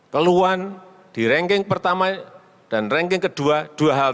petunjukkan para pembantu ke campuran ini